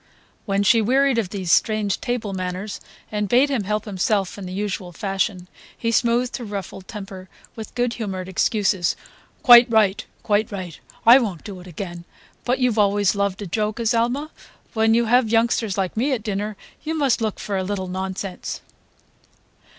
When she wearied of these strange table manners and bade him help himself in the usual fashion, he smoothed her ruffled temper with good humoured excuses, "Quite right. Quite right. I won't do it again; but you always loved a joke, Azalma. When you have youngsters like me at dinner you must look for a little nonsense."